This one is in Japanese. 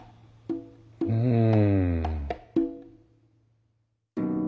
うん。